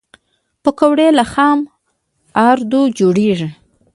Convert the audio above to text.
پکورې له خام آردو جوړېږي